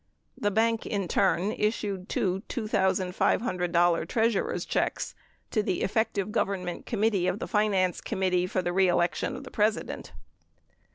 The bank in turn issued two $2,500 treasurer's checks to the Effective Government Committee of the Finance Committee for the Re Election of the President.